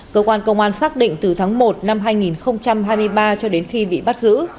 cơ quan công an xác định từ tháng một năm hai nghìn hai mươi ba cho đến khi bị bắt giữ